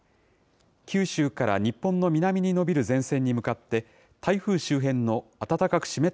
九州から日本の南に延びる前線に向かって、台風周辺の暖かく湿っ